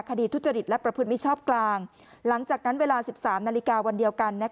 ทุจริตและประพฤติมิชชอบกลางหลังจากนั้นเวลา๑๓นาฬิกาวันเดียวกัน